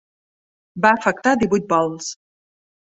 Va afectar divuit vols.